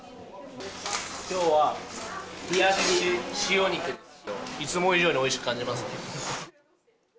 きょうは、いつも以上においしく感じますね。